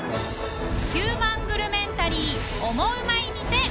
ヒューマングルメンタリーオモウマい店